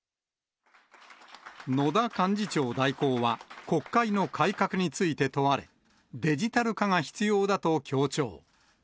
野田幹事長代行は、国会の改革について問われ、デジタル化が必要だと強調。